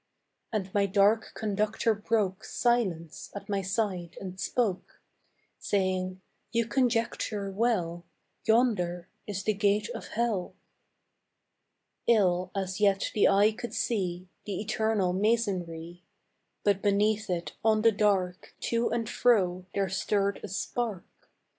And my dark conductor broke Silence at my side and spoke, Saying, "You conjecture well: Yonder is the gate of hell." Ill as yet the eye could see The eternal masonry, But beneath it on the dark To and fro there stirred a spark.